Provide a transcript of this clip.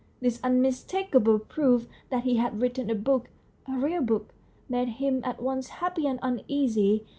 This unmistakable proof that he had written a book, a real book, made him at once happy and uneasy.